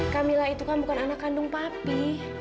camilla itu kan bukan anak kandung papi